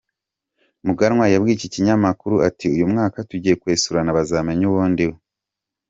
Muganwa yabwiye iki kinyamakuru ati “uyu mwaka tugiye kwesurana bazamenya uwo ndiwe”.